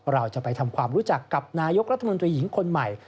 เราจะไปทำความรู้จักกับนายกรัฐมนตรีหญิงคนใหม่